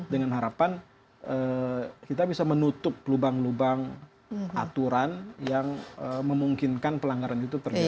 dengan harapan kita bisa menutup lubang lubang aturan yang memungkinkan pelanggaran itu terjadi